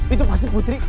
itu pasti putri